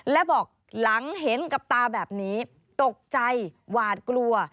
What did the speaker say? และบอกหลังเห็นกับตาแบบนี้ตกใจหวาดกลัว